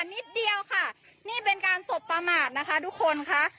นิดเดียวค่ะนี่เป็นการสบประมาทนะคะทุกคนค่ะ